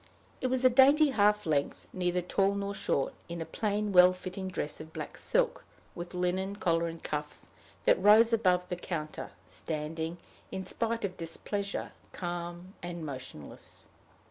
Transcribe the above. It was a dainty half length, neither tall nor short, in a plain, well fitting dress of black silk, with linen collar and cuffs, that rose above the counter, standing, in spite of displeasure, calm and motionless.